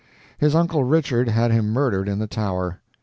His uncle Richard had him murdered in the tower.